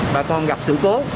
bà con gặp sự cố